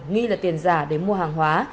nghi là tiền giả để mua hàng hóa